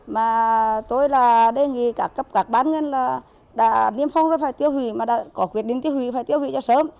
mà tôi là đề nghị các bán nhân là niêm phong rồi phải tiêu hủy mà đã có quyết định tiêu hủy phải tiêu hủy cho sớm